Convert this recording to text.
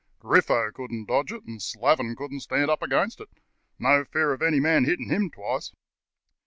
Griffo couldn't dodge it, and Slavin couldn't stand up against it. No fear of any man hitting him twice.